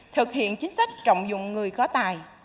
thực hiện chính sách trọng dụng người có tài